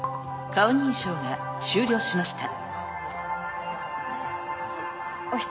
顔認証が終了しました。